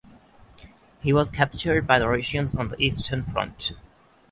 He was captured by the Russians on the Eastern Front.